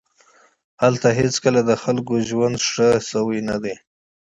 هلته هېڅکله د خلکو ژوند ښه شوی نه دی